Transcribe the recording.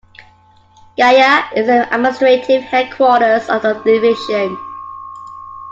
Gaya is the administrative headquarters of the division.